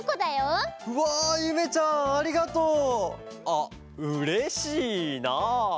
あっうれしいな！